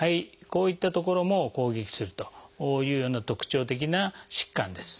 こういった所も攻撃するというような特徴的な疾患です。